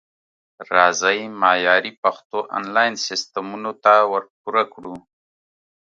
راځئ معیاري پښتو انلاین سیستمونو ته ورپوره کړو